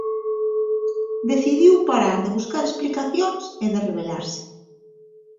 Decidiu parar de buscar explicacións e de rebelarse.